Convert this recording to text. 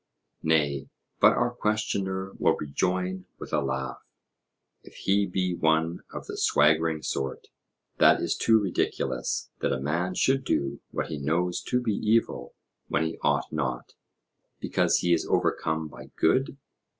Nay, but our questioner will rejoin with a laugh, if he be one of the swaggering sort, 'That is too ridiculous, that a man should do what he knows to be evil when he ought not, because he is overcome by good.